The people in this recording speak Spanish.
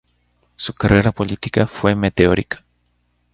Su carrera política fue meteórica.